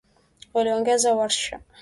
Waliongeza warsha